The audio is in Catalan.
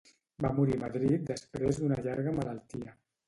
Va morir a Madrid després d'una llarga malaltia.